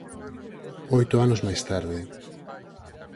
Oito anos máis tarde